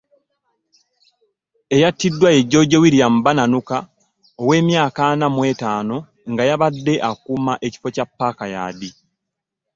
Eyattiddwa ye George William Bananuka ow’emyaka ana mu ttaano nga y’abadde akuuma ekifo kya Park yard.